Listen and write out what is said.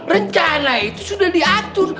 rencana itu sudah diatur